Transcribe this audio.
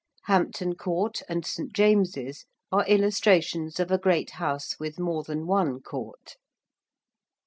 Hampton Court and St. James's, are illustrations of a great house with more than one court.